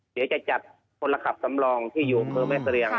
เดี๋ยวจะจัดคนละขับสำรองที่อยู่อำเภอแม่เสรียง